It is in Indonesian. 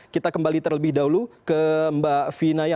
kita kembali terlebih dahulu ke mbak fina ya